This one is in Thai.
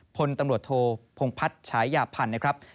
พลตำรวจโทพงพัฒน์ฉายาพันธ์นะครับ